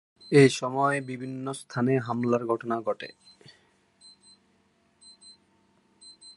এসময় বিভিন্ন স্থানে হামলার ঘটনা ঘটে।